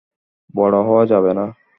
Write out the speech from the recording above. বড় হওয়া যাবে না।